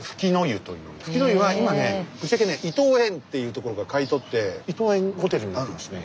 富貴の湯は今ねぶっちゃけね伊東園っていうところが買い取って伊東園ホテルになってますね